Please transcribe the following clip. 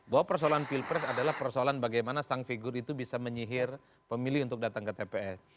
bahwa persoalan pilpres adalah persoalan bagaimana sang figur itu bisa menyihir pemilih untuk datang ke tps